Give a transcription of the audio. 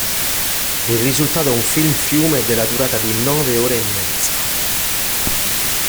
Il risultato è un film-fiume della durata di nove ore e mezza.